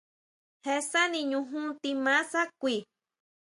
Je sani ñujún timaa sá kui.